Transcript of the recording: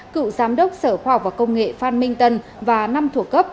cựu giám đốc sở khoa học và công nghệ phan minh tân và năm thủ cấp